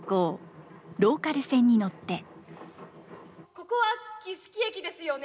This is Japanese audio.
ここは木次駅ですよね。